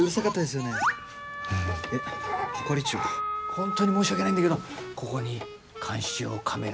本当に申し訳ないんだけどここに監視用カメラを。